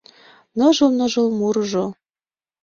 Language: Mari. Ныжыл-ныжыл мурыжо